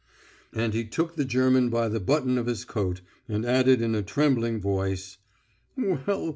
And he took the German by the button of his coat, and added in a trembling voice: "Well